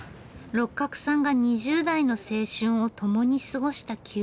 六角さんが２０代の青春を共に過ごした旧友。